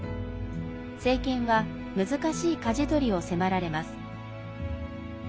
政権は、難しいかじ取りを迫られます。